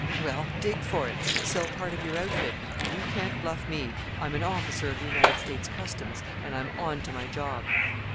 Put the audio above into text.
"Well, dig for it; sell part of your outfit. You can't bluff me. I'm an officer of the United States Customs, and I'm on to my job."